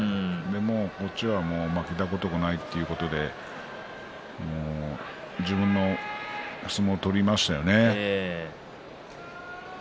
こっちは負けたことがないということで自分の相撲を取りましたよね。